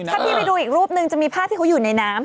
ถ้าพี่ไปดูอีกรูปนึงจะมีภาพที่เขาอยู่ในน้ำ